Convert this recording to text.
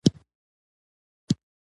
دوی فیض اباد ته د تګ هوډ درلودل.